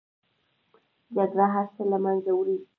جګړه هر څه له منځه وړي